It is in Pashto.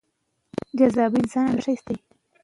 پاکیزه پرون لیکنه ولیکله.